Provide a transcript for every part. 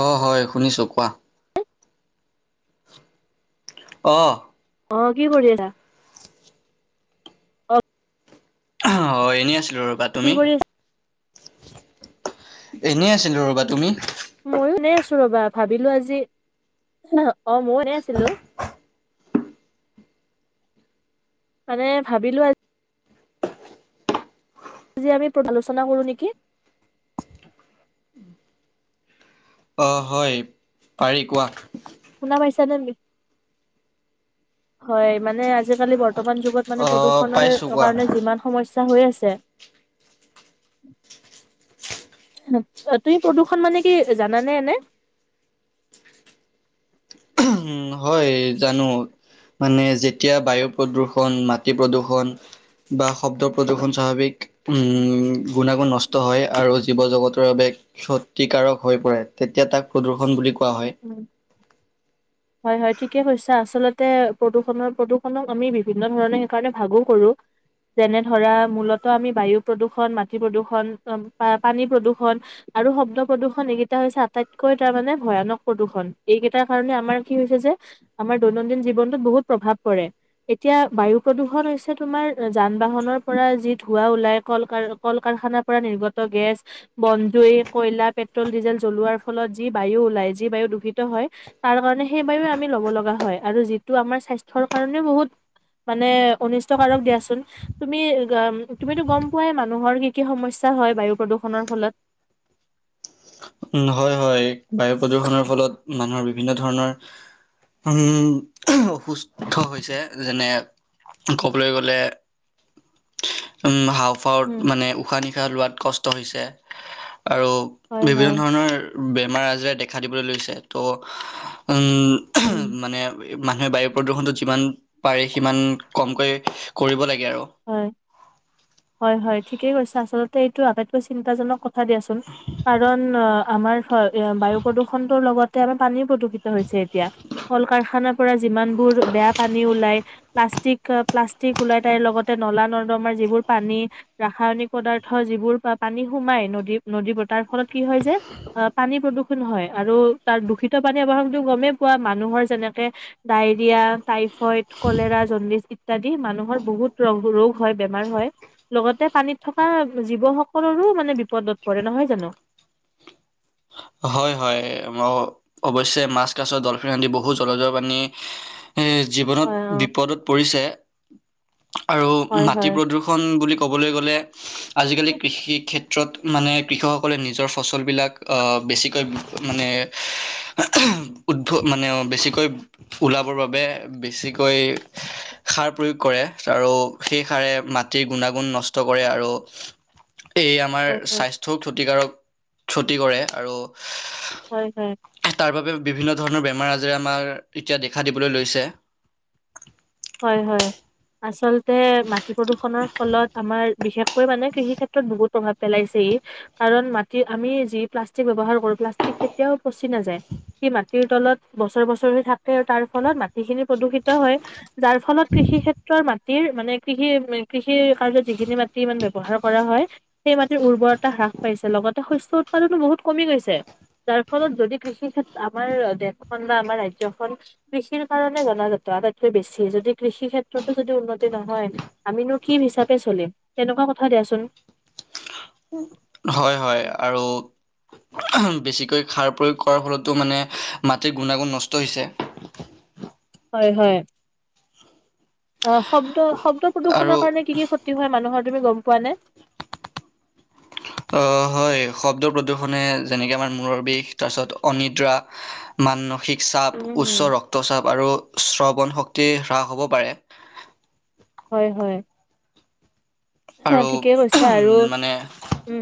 অ হয় শুনিছোঁ কোৱা অ অ কি কৰিা অ হয় এনে আছে ৰ'বা কি তুমি কৰি এনেই আছিলো ৰ'বা তুমি ময়ো এনে আছো ৰবা ভাবিলো আজি অ ময়ো এনে আছিলো মানে ভাবিলো আজি আজি আমি পালোচনা কৰোঁ নেকি অ হয় পাৰি কোৱা শ ন পাইছা নি হয় মানে আজিকালি বৰ্ত বৰ্তমান যুগত মানে অ', প্ৰদূষণৰ পাইছো কোৱা কাৰণে যিমান সমস্যা। আছে তুমি প্ৰদূষণ মানে কি জানানে এনে। হয় জানো মানে যেতিয়া বায়ু প্ৰদূৰ্ষণ মাটি প্ৰদূষণ বা শব্দ প্ৰদূষণ স্বাভাৱিক। উম গুণাগুণ নষ্ট হয় আৰু। জীৱ জগতৰ বাবে ক্ষতিকাৰক হৈ পৰে তেতিয়া তাক প্ৰদূষণ। বুলি কোৱা উম হয়। উম হয় হয় ঠিকেই কৈছা আচলতে প্ৰদূষণ প্ৰদূষণক আমি বিভিন্ন ধৰণে সেইকাৰণে ভাগো কৰোঁ যেনে ধৰা মূলত আমি বায়ু প্ৰদূষণ মাটি প্ৰদূষণ পানী প্ৰদূষণ আৰু শব্দ প্ৰদূষণ এইকেইটা হৈছে আটাইতকৈ তাৰমানানে ভয়ানক প্ৰদূষণ এইকেইটাৰ কাৰণে আমাৰ। কি হৈছে যে আমাৰ দৈনন্দিন জীৱনতত বহুত প্ৰভাৱ পৰে এতিয়া বায়ু প্ৰদূষণ হৈছে তোমাৰ যান বাহনৰ পৰা যি ধোৱাঁ ওলাই কল কাৰ কল কাৰখানাৰ পৰা নিৰ্গত গেছ বন জুই কয়লা পেট্ৰল ডিজেল জ্বলোৱাৰ ফলত যি বায়ু ওলাই যি বায়ু দূষিত হয় তাৰ কাৰণে। সেই বায়ু আমি ল'ব লগা হয় আৰু যিটো আমাৰ স্বাস্থ্যৰ কাৰণেও বহুত মানে অনিষ্টকাৰক দিয়াচোন তুমি তুমিতো গম পোৱাই মানুহৰ কি কি সমস্যা হয় বায়ু প্ৰদূষণৰ ফলত। উ হয় হয় বায়ু প্ৰদূষনৰৰ ফলত মানুহৰ বিভিন্ন ধৰণৰ উম অসুস্থ হৈছে যেনে কবলৈ গ'লে উম। হাওঁফাওঁত উম, মানে উশাহ নিশাহ লোৱাত কষ্ট। হৈছে আৰু। হয় বিভিন্ন হয় ধৰণৰ। বেমাৰ আজৰে দেখা দিবলৈ লৈছে ত'। উম। মানে। মানুহে বায়ু প্ৰদূষণতো যিমান। পাৰে সিমান কমকৈ কৰিব লাগ হয় হয় হয়। ঠিকেই কৈছা আচলতে এইটো আটাইতকৈ চিন্তাজনক কথ কথা দিয়া চোন কাৰণ। আমাৰ ফাল এ বায়ু প্ৰদূষণটোৰ লগত। তে আমি পানীও প্ৰদূষিত হৈছে এতিয়া কল কাৰখানা। পৰা যিমানবোৰ বেয়া পানী ওলাই প্লাষ্টিক প্লাষ্টিক ওলাই তাইৰ লগত। তাতে নলা নৰ্দমাৰ যিবোৰ পানী ৰাসায়নিক পদাৰ্থ যিবোৰ পানী সোমাই নদী নদীবোৰ তাৰ ফলত কি হয় যে পানী প্ৰদূষণ হয় আৰু তাৰ দূষিত পানী ব্যৱহাৰটো গমেই পোৱা মানুহৰ যেনেকে ডায়ৰিয়া টাইফ। ফইত ক'লেৰা জণ্ডিছ ইত ইত্যাদি মানুহৰ বহুত। ৰোগ হয় বেমাৰ হয় লগতে পানীত থকা জীৱসকলৰো মানে বিপদত পৰে নহয় জানোঁ? হয় হয় অৱশ্যে মাছ কাছৰ দলফিন আদি বহু জলজৰ প্ৰানী হয় অ জীৱনত বিপদত পৰিছে আৰু হয় মাটি হয় প্ৰদূষণ বুলি ক'বলৈ গ'লে আজিকালি হয় কৃষি ক্ষেত্ৰত মানে কৃষকসকলে নিজৰ ফচলবিলাক বেছিকৈ মানে উদ্ভ মানে বেছিকৈ ওলাবৰ বাবে বেছিকৈ সাৰ প্ৰয়োগ কৰে আৰু সেই সাৰে মাটিৰ গুণাগুণ ন নষ্ট কৰে আৰু এই আমাৰ হয় স্বাস্থ্যও ক্ষতিকাৰক থ্ৰতি কৰে আৰু হয় হয়। তাৰ বাবে বিভিন্ন ধৰণৰ বেমাৰ আজাৰে আমাৰ এতিয়া দেখা দিবলৈ লৈছে, হয় হয় আচলতে মাটি প্ৰদূষণৰ ফলত আমাৰ বিশেষকৈ মানে কৃষি ক্ষেত্ৰত বহুত প্ৰভাৱ পেলাইছে ই' কাৰণ মাটি আমি যি প্লাষ্টিক ব্যৱহাৰ কৰো প্লাষ্টিক কেতিয়াও পচি নাযায় সি মাটিৰ তলত বছৰ বছৰে থাকে আৰু তাৰ ফলত মাটিখিনি প্ৰদূষিত হয় যাৰ ফলত কৃষি ক্ষেত্ৰৰ মা মাটিৰ মানে কৃষি কৃষি কাৰ্যত যিখিনি মাটি মানে ব্যৱহাৰ কৰা হয় সেই মাটিৰ উৰ্বৰতা হ্ৰাস পাইছে লগতে শস্য উৎপাদনো বহুত কমি গৈছে যাৰ ফলত যদি কৃষি ক্ষেত্ৰ আমাৰ দেশখন বা আমাৰ ৰাজ্যখনন কৃষিৰ কাৰণে জনাজাত আটাইতকৈ বেছি। যদি কৃষি ক্ষেত্ৰতো যদি উন্নতি নহয় আমিনো কি হিচাপে চলিম তেনেকুৱা কথা দিয়াচোন। হয় হয়। আৰু। বেছিকৈ সাৰ প্ৰয়োগ কৰাৰ ফলতো মানে মাটিৰ গুণাগুণ নষ্ট হৈছে। হয় হয়। অ' অসম শব্দ প্ৰদূষণৰ আৰু কাৰণে কি কি ক্ষতি হয় মানুহৰ তুমি গম পোৱা নে? অ' হয় শব্দ প্ৰদূষনে যেনেকে আমাৰ মূৰৰ বিষ তাৰপিছত অনিদ্ৰা মানসিক চাপ, উম হম উচ্চ ৰক্তচাপ আৰু স্ৰ শক্তি হ্ৰাস হ'ব পাৰে। হয় হয়। অ' আৰু ঠিকেই কৈছা আৰু মানে উম।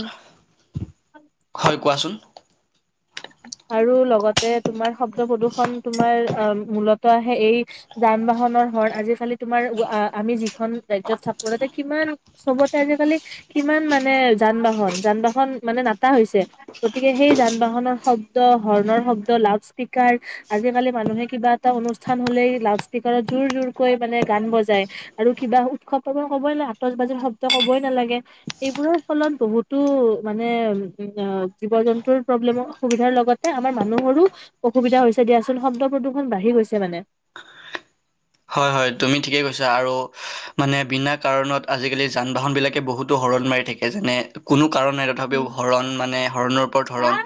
হয় কোৱাচোন? আৰু লগতে তোমাৰ শব্দ প্ৰদূষণ তোমাৰ মূলত আহে এই যান বাহনৰ হৰ্ণ আজিকালি তোমাৰ আমি যিখন ৰাজ্যত থাকো তাতে কিমান চবতে আজিকালি কিমান মানে যান বাহন যান বাহন মানে নাটা হৈছে। গতিকে সেই যান বাহনৰ শব্দ, হৰ্ণৰ শব্দ লাউড স্পীকাৰ আজিকালি মানুহে কিবা এটা অনুষ্ঠান হলেই লাউড স্পীকাৰত জোৰ জোৰকৈ মানে গান বজায়। আৰু কিবা উৎসৱত ক'বই নালাগে আতচ বাজিৰ শব্দ ক'বই নালাগে এইবোৰৰ ফলত বহুতো মানে উম জীৱ জন্তুৰ প্ৰব্লেমো অসুবিধাৰ লগতে আমাৰ মানুহৰো অসুবিধা হৈছে দিয়াচোন শব্দ প্ৰদূষণ বাঢ়ি গৈছে মানে। হয় হয় তুমি ঠিকেই কৈছা, আৰু মানে বিনা কাৰণত আজিকালি যান বাহন বিলাকে বহুতো হৰ্ণ মাৰি থাকে যেনে কোনো কাৰণ নাই তথাপিও উম হৰণ মানে হৰণৰ ওপৰত হৰণ।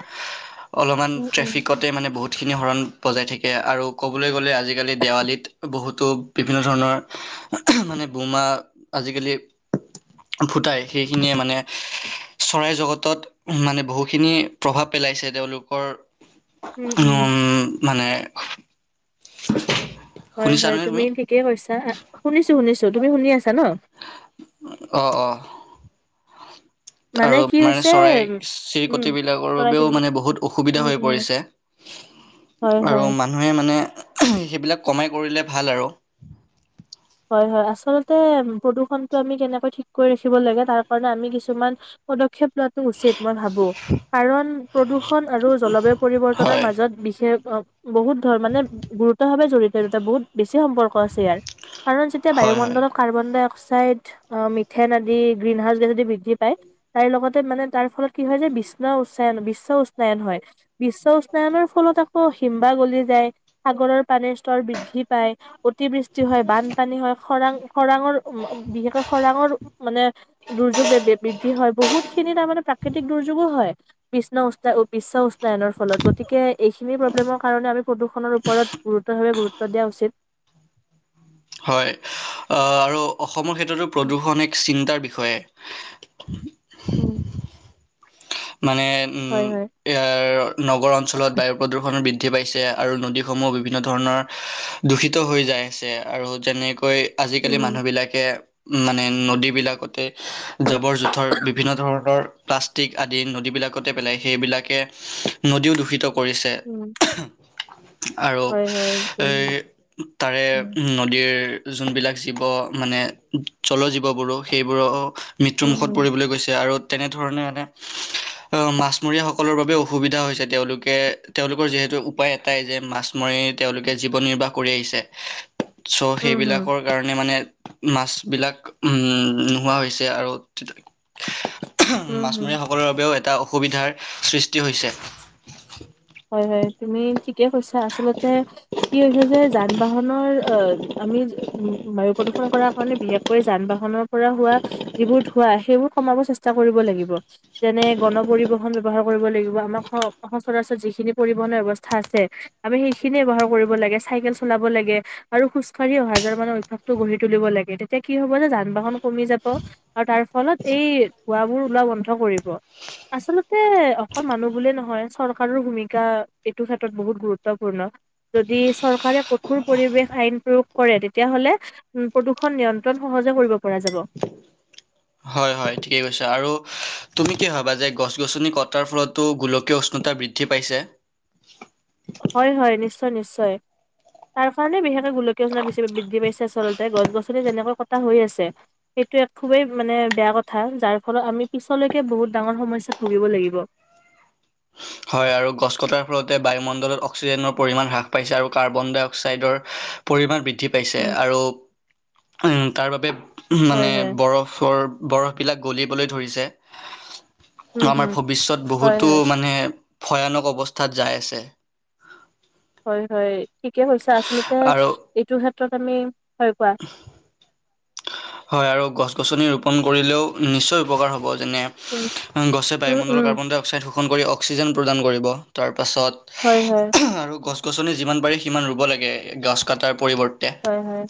অলপমান উম উম ট্ৰেফিকতে মানে বহুত বহুতখিনি হৰণ বজাই থাকে আৰু ক'বলৈ গ'লে আজিকালি দেৱালীত বহুতো বিভিন্ন ধৰণৰ মানে বোমা আজিকালি ফুটাই সেইখিনিয়ে মানে চৰাই জগতত মানে বহুখিনি প্ৰভাৱ পেলাইছে তেওঁলোকৰ উম। মানে হয় হয় তুমি ঠিকেই কৈছা। শুনিছোঁ শুনিছোঁ। তুমি শুনি আছা। ন অঁ অঁ। [inaudible] আৰু কি মানে হৈছে চৰাই উম চিৰিকতি বিলাকৰ চৰাই বাবেও চিৰিকটি মানে বহুত অসুবিধা উম হৈ উম পৰিছে। হয় আৰু হয় মানুহে মানে আ' সেইবিলাক কমাই কৰিলে ভাল আৰু। হয় হয়। আচলতে প্ৰদূষণতটো আমি কেনেকৈ ঠিক কৰি ৰাখিব লাগে, তাৰ কাৰণে আমি কিছুমান পদক্ষেপ লোৱা উচিত মই ভাবো। কাৰণ প্ৰদূষণ আৰু জলবায়ু পৰিৱৰ্তনৰ হয় মাজত বিশেষ একো বহুত ধৰ মানে গুৰুতৰ ভাৱে জড়িত এইদুটা বহুত বেছি সম্পৰ্ক আছে ইয়াৰ। কাৰণ যেতিয়া হয় হয় বায়ুমণ্ডলত কাৰ্বনডাই অ অক্সাইড, মিথেন আদি গ্ৰীণ হাউচ গেছ আদি বৃদ্ধি পায়, তাৰে লগতে মানে তাৰ ফলত কি হয় যে বিশ্ণ উশ্চায়ন বিশ্ব উষ্ণায়ন হয়। বিশ্ব উষ্ণায়নৰ ফলত আকৌ হিম্বাহ গলি যায়, সাগৰৰ পানীৰ স্তৰ বৃদ্ধি পায়, অতিবৃষ্টি হয়, বান পানী হয়, খৰাং খৰাঙৰ উম উম বিশেষকৈ খৰাঙৰ মানে দুৰ্যোগ বৃদ্ধি হয়। বহুতখিনি তাৰমানে প্ৰাকৃতিক দুৰ্যোগো হয় বিষ্ণ উচ্ছা উম বিশ্ব উষ্ণায়নৰ ফলত। গতিকে এইখিনি প্ৰব্লেমৰ কাৰণে আমি প্ৰদূষণৰ ওপৰত গুৰুতৰভাৱে গুৰুত্ব দিয়া উচিত। হয়। আ' আৰু, অসমৰ ক্ষেত্ৰতো উম, প্ৰদূষণ এক চিন্তাৰ বিষয়। হৈয়ে। উম। মানে হয় উম হয় ইয়াৰ নগৰ অঞ্চলত বায়ু প্ৰদূষণৰ বৃদ্ দ্ধি পাইছে আৰু নদীসমূহ বিভিন্ন ধৰণৰ দূষিত হৈ যাই আছে আৰু যেনে কৈ আজিকালি উম মানুহবিলাকে মানে নদী বিলাকতে জাবৰ জোথৰ, বিভিন্ন ধৰণৰ প্লাচ তিক আদি নদীবিলাকতে পেলাই, সেইবিলাকে নদীও দূষিত কৰিছে উম [inaudible] আৰু হয় হয় উম এই তাৰে উম নদীৰ যোনবিলাক জীৱ, মানে জল জীৱবোৰো সেইবোৰো মৃত্যু উম মুখত হুম পৰিবলৈ গৈছে আৰু তেনেধৰণে এনে আহ মাছমৰীয়া সকলৰ বাবে অসুবিধা হৈছে। তেওঁলোকে তেওঁলোকৰ যিহেতু উপায় এটাই যে মাছ মাৰি তেওঁলোকে জীৱন নিৰ্বাহ কৰি আহিছে ছ' উম হুম সেইবিলাকৰ কাৰণে মানে মাছ বিলাক উম নোহোৱা হৈছে আৰু উম হম। ৰ বাবেও এটা অসুবিধাৰ সৃষ্টি হৈছে। হয় হয় তুমি ঠিকে কৈছা আচলতে, কি হৈছে যে যান বাহনৰ আহ আমি উ বায়ু প্ৰদূষন কৰাৰ কাৰণে বিশেষকৈ যান বাহনৰ পৰা হোৱা, যিবোৰ ধোঁৱা সেইবোৰ কমাব চেষ্টা কৰিব লাগিব, যেনে গণ পৰিবহন ব্যৱহাৰ কৰিব লাগিব, আমাক স যি যখিনি পৰিবহনৰ ব্যৱস্থা আছে আমি সেইখিনিে বৱহাৰ কৰিব লাগে, চাইকেল চলাব লাগে, আৰু খোজ কঢ়ি অহা যোৱা‌ৰো মানে অভ্যাসটো গঢ়ি তুলিব লাগে, তেতিয়া কি হব যে যান বাহন কমি যাব। আৰু তাৰ ফলত এই ধোৱা বোৰ ওলোৱা বন্ধ কৰিব। আচলতে অকল মানুহ বুলিয়েই নহয় চৰকাৰৰ ভূমা এইটো ক্ষেত্ৰত বহুত গুৰুত্বপূৰ্ণ, যদি চৰকাৰে কঠোৰ পৰিৱেশ আইন প্ৰয়োগ কৰে, তেতিয়াহ'লে প্ৰদূৰণ নিয়ন্ত্ৰণ সহজে কৰিব পৰা যাব। হয় হয় থিকে কৈছা, আৰু তুমি কি ভাবা, গছ গছনি কতা ফলতো গুলকি [unintelligible] বৃদ্ধি পাইছে হয় হয় নিশ্চয় নিশ্চয় তাৰ কাৰণে বিশেষকে গোলকীয় অজনা বৃদ্ধি পাইছে আচলতে, গছ গছনি যেনেকৈ কটা হৈ আছে সেইটো এক খুবেই মানে বেয়া কথা যাৰ ফলত আমি পিছলৈকে বহুত ডাঙৰ সমস্যাত ভুগিব লাগিব। হয় আৰু গছ কটাৰ ফলতে বায়ুমণ্ডলত অক্সিজেনৰ পৰিমা হাস পাইছে আৰু কাৰ্বন ডাই অক্সাইডৰ পৰিমাণ বৃদ্ধি বৃদ্ধি পাইছে উম, আৰু উম তাৰ বাবে উম হয়, মানে হয়, বৰফৰ বৰফবিলাক গলিবলৈ ধৰিছে। উম, আমাৰ হুম, ভৱিষ্যত হয়, বহুতো হয়, মানে ভয়ানক অৱস্থাত যাই আছে হয় হয় ঠিকে হৈছে আচল্ততে আৰু এইটো ত আমি হয় পোৱা হয় আৰু গছ গছনি ৰোপণ কৰিলেও নিশ্চয় উপকাৰ হ'ব যেনে উম। গছে উম, বায়ুমণ্ডলৰ উম, কাৰ্বন ডাই অক্সাইড শষণ কৰি অক্সিজেন প্ৰদান কৰিব তাৰ হয়, হয়, গ গছ গছনি যিমান পাৰে সিমান ৰুব লাগে গছ কাটাৰ হয় হয়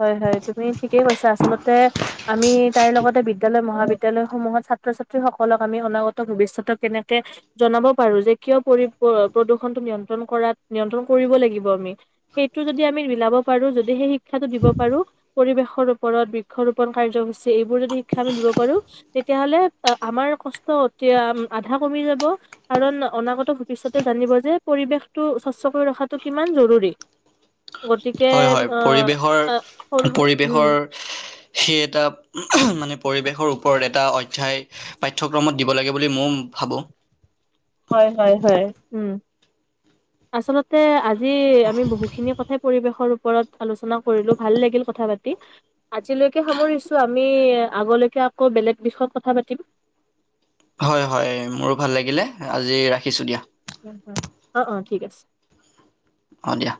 হয় হয় তুমি ঠিক কৈছে আচলতে আমি তাইৰ লগতে বিদ্য়ালয় মহাবিদ্যয়ালয় সমূহত ছাত্ৰ ছাত্ৰী সকলক আমি অনাগত ভৱিষ্যতক কেনেকে জনাব পাৰো যে কিয় পৰি প্ৰদূষণটো নিয়ন্ত্ৰণ কৰাত নিয়ন্ত্ৰণ কৰিব লাগিব আমি সেইটো যদি আমি লাব পাৰো যদিহে শিক্ষ শিক্ষাো দিব পাৰো পৰিৱেশ ব ওপৰত বৃক্ষৰোপণ কাৰ্যসূচী এইবোৰ যদি শিক্ষা আমি দিব পাৰোঁ তেতিয়াহ'লে আমাৰ কষ্ট অতি আধা কমি যাব কাৰণ অনাগত ভৱিষ্যতে জানিব যে পৰিৱেশটো স্বচ্ছ কৰি ৰখাটো কিমান জৰুৰী গতিকে হয় হয় অ সৰু পৰিৱেশৰ সৰু উম পৰিৱেশৰ সেই এটা মানে পৰিৱেশৰ ওপৰত এটা অধ্যায় পাঠ্যক্ৰমত দিব লাগে বুলি মই ভাবোঁ হয় হয় হয় উম আচলতে আজি আজি আমি বহুখিনি কথাই পৰিৱেশৰপ ওপৰত আলোচনা কৰিলো ভাল লাগিল কথা পাতি আজিলৈকে সামৰিছো আমি আগলৈকে আকৌ বেলেগ বিষয়ত কথা পাতিম হয় হয়, মোৰো ভাল লাগিলে, আজি ৰাখিছোঁ দিয়া। অঁ, অঁ, ঠিক আছে। অঁ দিয়া।